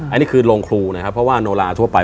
อันนี้คือโรงครูนะครับเพราะว่าโนลาทั่วไป